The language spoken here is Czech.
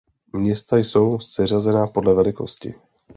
Města jsou seřazena podle velikosti.